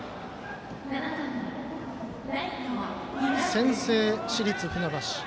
先制、市立船橋。